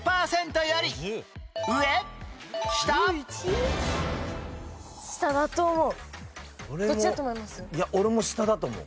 いや俺も下だと思う。